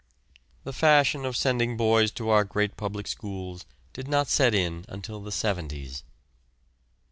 The fashion of sending boys to our great public schools did not set in until the 'seventies.